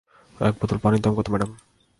এক বোতল পানির দাম কতো, ম্যাডাম?